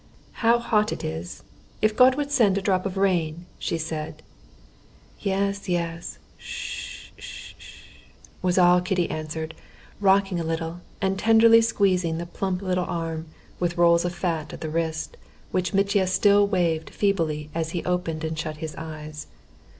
"How hot it is! if God would send a drop of rain," she said. "Yes, yes, sh—sh—sh——" was all Kitty answered, rocking a little, and tenderly squeezing the plump little arm, with rolls of fat at the wrist, which Mitya still waved feebly as he opened and shut his eyes.